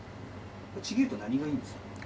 ちぎると何がいいんですか？